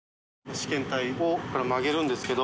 試験体を曲げるんですけど。